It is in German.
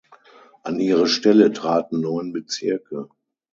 An ihre Stelle traten neun Bezirke.